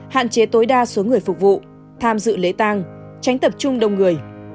hạn chế tối đa số người phục vụ tham dự lễ tang tránh tập trung đông người